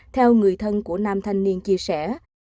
theo người thân của nam thanh niên chia sẻ